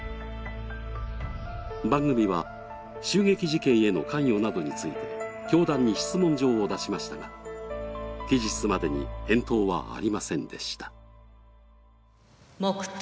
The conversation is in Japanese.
番組は襲撃事件への関与などについて教団に質問状を出しましたが期日までに返答はありませんでした。